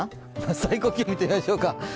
最高気温見てみましょうか！